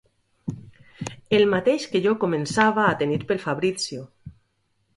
El mateix que jo començava a tenir pel Fabrizio.